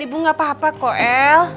ibu gapapa kok el